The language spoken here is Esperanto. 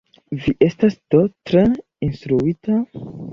Vi estas do tre instruita?